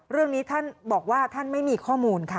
เรื่องนี้ท่านบอกว่าท่านไม่มีข้อมูลค่ะ